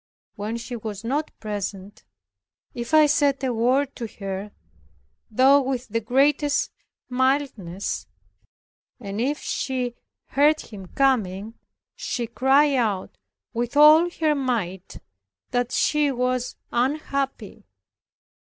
When he was not present, if I said a word to her, though with the greatest mildness and if she heard him coming, she cried out with all her might that she was unhappy.